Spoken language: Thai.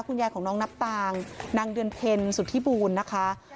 คุณยายของน้องนับตางนางเดือนเพ็ญสุธิบูลนะคะ